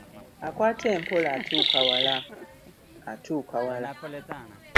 Akwata empola, atuuka wala atuuka wala.